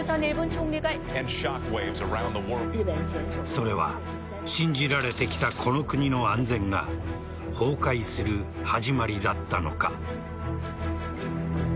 それは信じられてきたこの国の安全が崩壊する始まりだったのか。